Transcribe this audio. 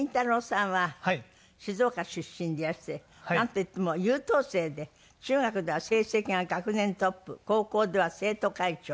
さんは静岡出身でいらしてなんといっても優等生で中学では成績が学年トップ高校では生徒会長。